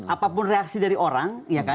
apapun reaksi dari orang